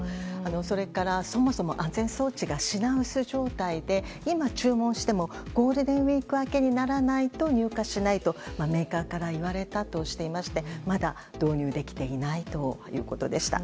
それから、そももそも安全装置が品薄状態で今、注文してもゴールデンウィーク明けにならないと入荷しないと、メーカーから言われたとしていましてまだ導入できていないということでした。